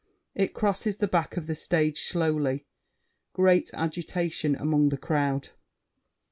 It crosses the back of the stage slowly. Great agitation among the crowd.